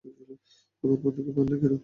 আমার বন্ধুকে মারলে কেন?